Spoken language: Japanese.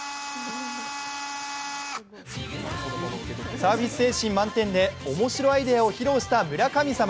サービス精神満点で面白アイデアを披露した村神様。